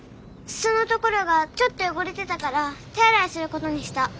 裾のところがちょっと汚れてたから手洗いすることにした。